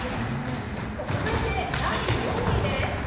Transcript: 続いて、第４位です。